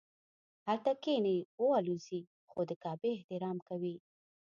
هلته کښیني والوځي خو د کعبې احترام کوي.